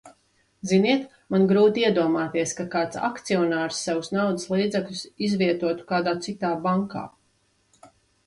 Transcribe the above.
Ziniet, man grūti iedomāties, ka kāds akcionārs savus naudas līdzekļus izvietotu kādā citā bankā.